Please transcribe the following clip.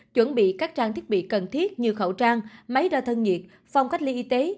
chuẩn bị các trang thiết bị cần thiết như khẩu trang máy đo thân nhiệt phòng cách ly y tế